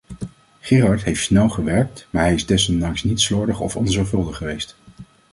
Gérard heeft snel gewerkt maar hij is desondanks niet slordig of onzorgvuldig geweest.